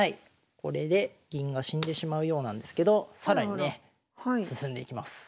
これで銀が死んでしまうようなんですけど更にね進んでいきます。